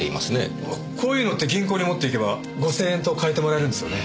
こういうのって銀行に持っていけば５千円と替えてもらえるんですよね。